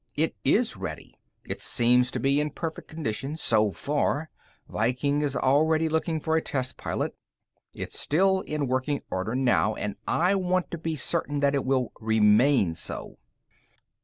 "It is ready. It seems to be in perfect condition so far. Viking is already looking for a test pilot. It's still in working order now, and I want to be certain that it will remain so."